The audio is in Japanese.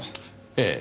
ええ。